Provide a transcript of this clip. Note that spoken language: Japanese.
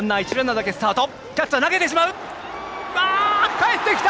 かえってきた！